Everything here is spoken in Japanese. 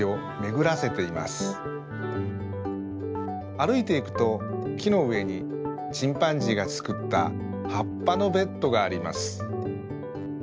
あるいていくときのうえにチンパンジーがつくったはっぱのベッドがあります。